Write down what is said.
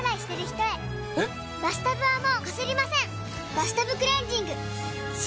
「バスタブクレンジング」！